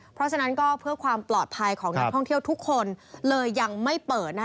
เพราะฉะนั้นก็เพื่อความปลอดภัยของนักท่องเที่ยวทุกคนเลยยังไม่เปิดนะคะ